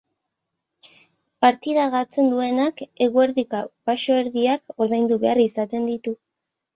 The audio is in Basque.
Partida galtzen duenak, eguerdiko baxoerdiak ordaindu behar izaten ditu.